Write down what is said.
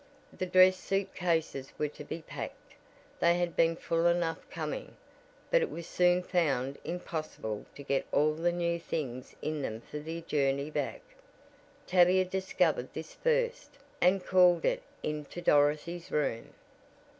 The dress suit cases were to be packed. They had been full enough coming, but it was soon found impossible to get all the new things in them for the journey back. Tavia discovered this first, and called it in to Dorothy's room.